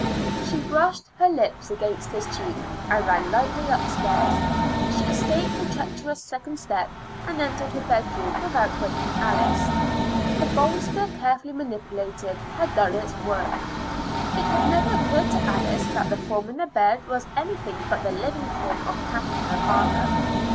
She brushed her lips against his cheek, and ran lightly upstairs. She escaped the treacherous second step, and entered her bedroom without waking Alice. The bolster carefully manipulated had done its work; it had never occurred to Alice that the form in the bed was anything but the living form of Kathleen O'Hara.